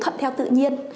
thật theo tự nhiên